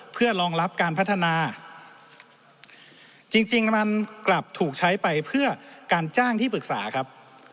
เพื่อรองรับการพัฒนาจริงมันกลับถูกใช้ไปเพื่อการจ้างที่ปรึกษาครับ